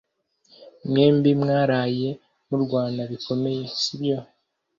Mwembi mwaraye murwana bikomeye, sibyo?